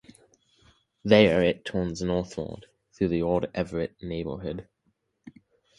There it turns northward through the Old Everett Neighborhood.